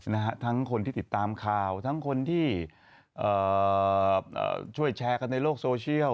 นะฮะทั้งคนที่ติดตามข่าวทั้งคนที่เอ่อช่วยแชร์กันในโลกโซเชียล